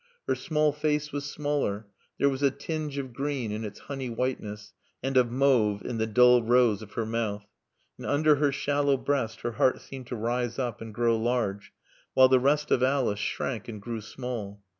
Her small face was smaller; there was a tinge of green in its honey whiteness, and of mauve in the dull rose of her mouth. And under her shallow breast her heart seemed to rise up and grow large, while the rest of Alice shrank and grew small.